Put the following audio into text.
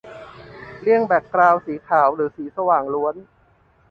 -เลี่ยงแบคกราวนด์สีขาวหรือสีสว่างล้วน